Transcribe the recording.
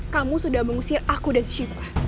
kamu sudah mengusir aku dan shiva